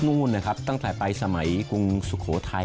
นู่นนะครับตั้งแต่ไปสมัยกรุงสุโขทัย